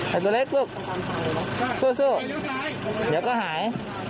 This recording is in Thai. ตัวเล็กลูกสู้เดี๋ยวก็หาย